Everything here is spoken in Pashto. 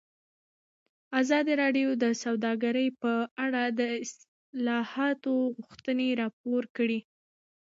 ازادي راډیو د سوداګري په اړه د اصلاحاتو غوښتنې راپور کړې.